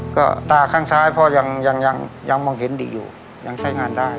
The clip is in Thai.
ก็ตาข้างซ้ายพ่อยังยังมองเห็นเด็กอยู่ยังใช้งานได้